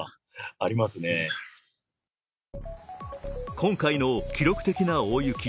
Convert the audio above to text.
今回の記録的な大雪。